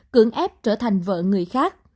cưỡng ép trở thành vợ người khác